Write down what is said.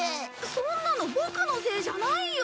そんなのボクのせいじゃないよ！